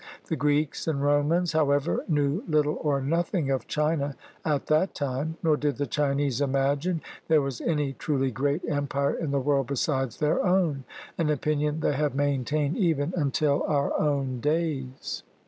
The Greeks and Romans, however, knew little or nothing of China at that time, nor did the Chinese imagine there was any truly great empire in the world besides their own; an opinion they have maintained even until our own days.